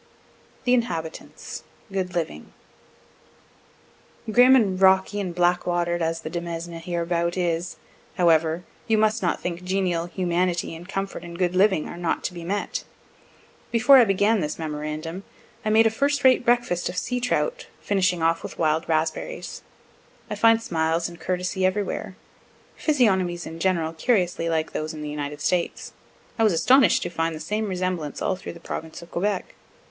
THE INHABITANTS GOOD LIVING Grim and rocky and black water'd as the demesne hereabout is, however, you must not think genial humanity, and comfort, and good living are not to be met. Before I began this memorandum I made a first rate breakfast of sea trout, finishing off with wild raspberries. I find smiles and courtesy everywhere physiognomies in general curiously like those in the United States (I was astonish'd to find the same resemblance all through the province of Quebec.)